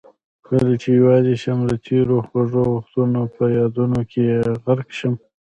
کله چې یوازې شم د تېرو خوږو وختونه په یادونو کې غرق شم.